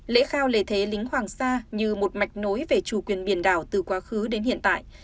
lễ khao lễ thế lính hoàng sa như một mạch nối về chủ quyền biển đảo từ quá khứ đến hiện tại